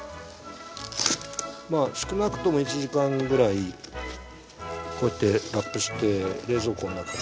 まあ少なくとも１時間ぐらいこうやってラップして冷蔵庫の中に。